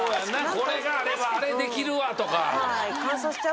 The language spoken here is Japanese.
これがあればあれできるわとか。